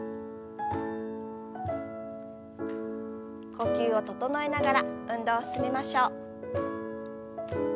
呼吸を整えながら運動を進めましょう。